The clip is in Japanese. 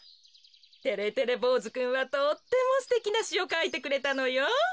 てれてれぼうずくんはとってもすてきなしをかいてくれたのよ。